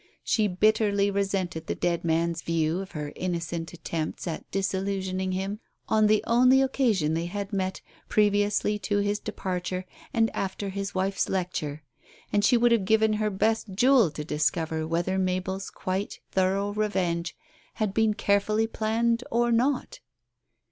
She bitterly resented the dead man's view of her innocent attempts at disillusioning him, on the only occasion they had met previously to his departure and after his wife's lecture, and she would have given her best jewel to discover whether Mabel's quite thorough revenge had been carefully planned or not